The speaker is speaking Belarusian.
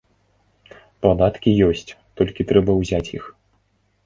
Падаткі ёсць, толькі трэба ўзяць іх.